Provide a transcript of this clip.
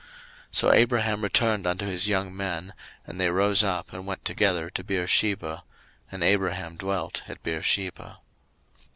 01:022:019 So Abraham returned unto his young men, and they rose up and went together to Beersheba; and Abraham dwelt at Beersheba.